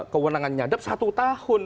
kewenangan nyadap satu tahun